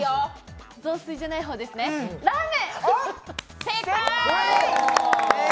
雑炊じゃない方ですね、ラーメン！